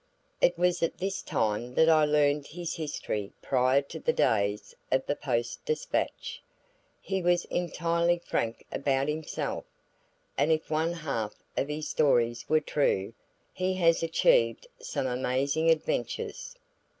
It was at this time that I learned his history prior to the days of the Post Dispatch. He was entirely frank about himself, and if one half of his stories were true, he has achieved some amazing adventures.